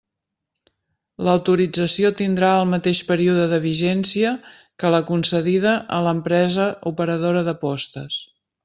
L'autorització tindrà el mateix període de vigència que la concedida a l'empresa operadora d'apostes.